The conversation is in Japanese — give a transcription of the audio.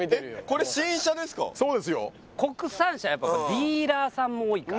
これ新車ですか？